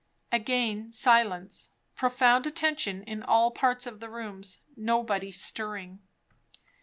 Again silence. Profound attention in all parts of the rooms; nobody stirring.